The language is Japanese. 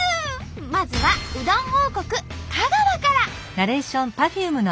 まずはうどん王国香川から。